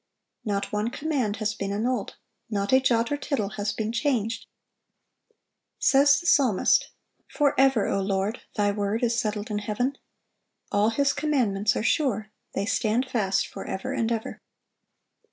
Not one command has been annulled; not a jot or tittle has been changed. Says the psalmist: "Forever, O Lord, Thy word is settled in heaven." "All His commandments are sure. They stand fast forever and ever."